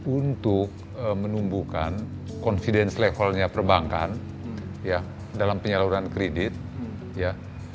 untuk menumbuhkan confidence levelnya perbankan ya dalam penyaluran kredit ya